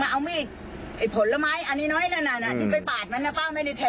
ป้าทำอย่างงี้เอามีดมันอ่อนมันแทงไม่ได้